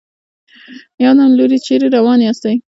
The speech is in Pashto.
په کوم لوري چېرې روان ياستئ.